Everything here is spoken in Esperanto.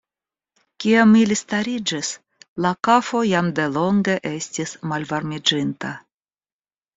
Kiam ili stariĝis, la kafo jam delonge estis malvarmiĝinta.